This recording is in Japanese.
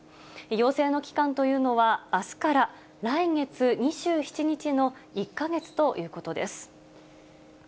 要請の期間というのは、あすから来月２７日の１か月ということです。